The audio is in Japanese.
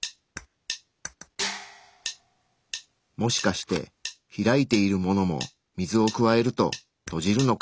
もしかして開いているものも水を加えると閉じるのかな。